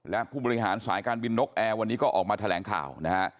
และผู้บริหารสายการบินนกแอร์วันนี้ก็ออกมาแถลงข่าวนะฮะ